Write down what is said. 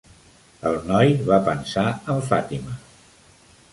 El noi va pensar en Fatima.